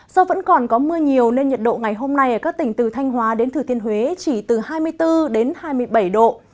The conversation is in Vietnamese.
do vẫn còn có mưa nhiều nên nhiệt độ ngày hôm nay ở các tỉnh từ thanh hóa đến thừa thiên huế chỉ từ hai mươi bốn hai mươi bảy độ